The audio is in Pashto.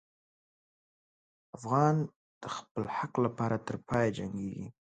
افغان د خپل حق لپاره تر پایه جنګېږي.